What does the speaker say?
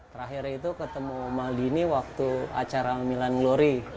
terakhir itu ketemu maldini waktu acara milan glory